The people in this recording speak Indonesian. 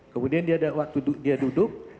kemudian dia ada waktu dia duduk